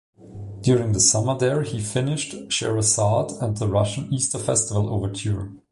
During the summer there he finished "Scheherazade" and the "Russian Easter Festival Overture".